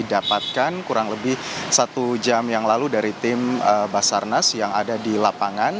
dapatkan kurang lebih satu jam yang lalu dari tim basarnas yang ada di lapangan